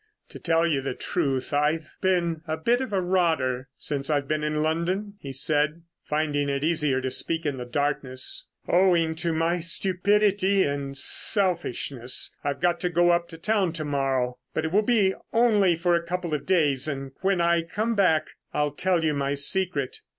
"To tell you the truth, I've been a bit of a rotter since I've been in London," he said, finding it easier to speak in the darkness. "Owing to my stupidity and selfishness, I've got to go up to town to morrow, but it will only be for a couple of days, and when I come back I'll tell you my secret.